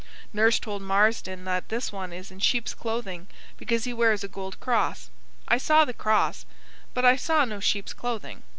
Nurse told Marsdon that this one is in "sheep's clothing," because he wears a gold cross. I saw the cross; but I saw no sheep's clothing.